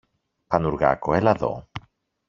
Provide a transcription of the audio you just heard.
Πανουργάκο, έλα δω!